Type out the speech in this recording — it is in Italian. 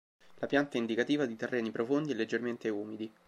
La pianta è indicativa di terreni profondi e leggermente umidi.